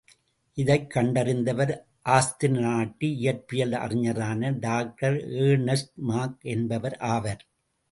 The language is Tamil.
இதைக் கண்டறிந்தவர் ஆஸ்திரி நாட்டு இயற்பியல் அறிஞரான டாக்டர் எர்னெஸ்ட் மாக் என்பவர் ஆவார்.